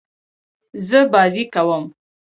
زه بازۍ کوم.